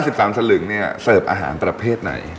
แล้วร้าน๑๓สลึงเนี่ยเสิร์ฟอาหารประเภทไหน